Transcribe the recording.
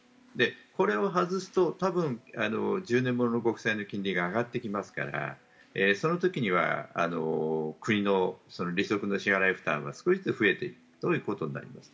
これを外すと多分、１０年物の国債の金利が上がってきますからその時には国の利息の支払い負担は少しずつ増えていくということになります。